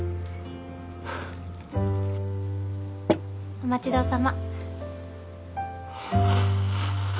お待ち遠さま。